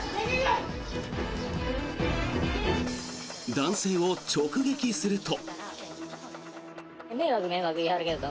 男性を直撃すると。